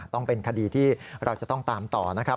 ต้องเป็นคดีที่เราจะต้องตามต่อนะครับ